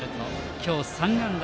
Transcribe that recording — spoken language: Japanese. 今日３安打。